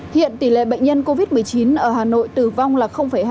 hiện tỷ lệ bệnh nhân covid một mươi chín ở hà nội tử vong là hai mươi sáu